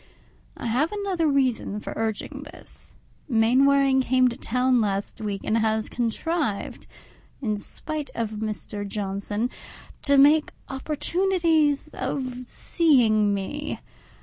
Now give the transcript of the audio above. I have another reason for urging this: Mainwaring came to town last week, and has contrived, in spite of Mr. Johnson, to make opportunities of seeing me.